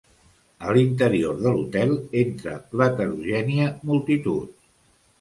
A l'interior de l'hotel, entre l'heterogènia multitud